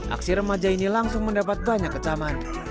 aksi remaja ini langsung mendapat banyak kecaman